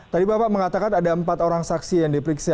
tadi bapak mengatakan ada empat orang saksi yang diperiksa